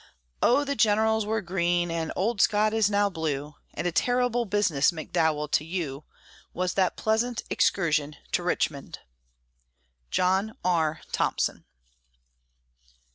Oh! the generals were green, and old Scott is now blue, And a terrible business, McDowell, to you, Was that pleasant excursion to Richmond. JOHN R. THOMPSON.